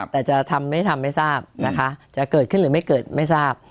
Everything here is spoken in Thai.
แต่จะทำไม่ทำไม่ทราบนะคะจะเกิดขึ้นหรือไม่เกิดไม่ทราบ